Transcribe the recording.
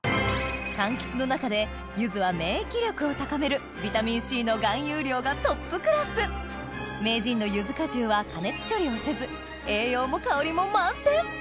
柑橘の中でゆずは免疫力を高めるビタミンＣの含有量がトップクラス名人のゆず果汁は加熱処理をせず栄養も香りも満点！